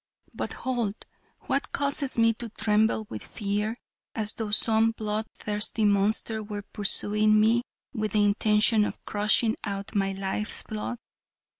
But hold! What causes me to tremble with fear as though some blood thirsty monster were pursuing me with the intention of crushing out my life's blood?